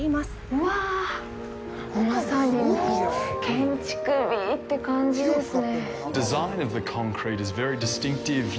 うわぁ、まさに建築美って感じですね。